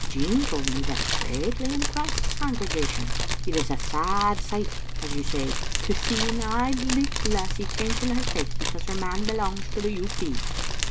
Jean told me that it greatly impressed the congregation. It is a sad sight, as you said, to see an Auld Licht lassie changing her faith because her man belongs to the U. P.'s."